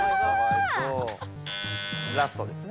ラストですね。